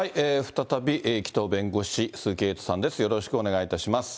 再び、紀藤弁護士、鈴木エイトさんです。